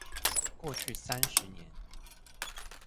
過去三十年